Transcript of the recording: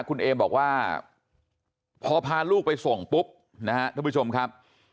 คุณเอมบอกว่าพอพาลูกไปส่งปุ๊บนะฮะท่านผู้ชมครับ